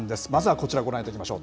こちらご覧いただきましょう。